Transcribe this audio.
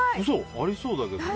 ありそうだけど。